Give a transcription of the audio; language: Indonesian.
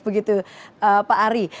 begitu pak ari